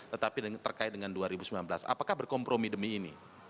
tetapi terkait dengan dua ribu sembilan belas apakah berkompromi demi ini